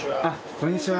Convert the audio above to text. こんにちは。